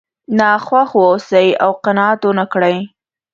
ناخوښ واوسئ او قناعت ونه کړئ.